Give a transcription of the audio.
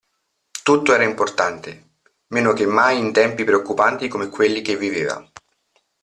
Tutto era importante, meno che mai in tempi preoccupanti come quelli che viveva.